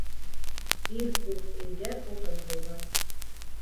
Ир күп өйҙә утын булмаҫ